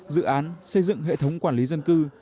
dự án xây dựng hệ thống quản lý dân cư